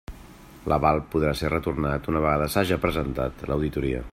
L'aval podrà ser retornat una vegada s'haja presentat l'auditoria.